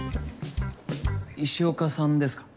・・石岡さんですか？